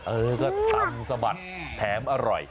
เออก็ทำสะบัดแถมอร่อย